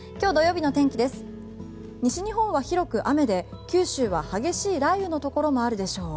西日本は広く雨で九州は激しい雷雨のところもあるでしょう。